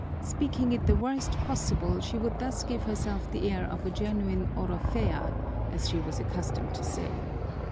Speaking it the worst possible, she would thus give herself the air of a genuine orofea, as she was accustomed to say.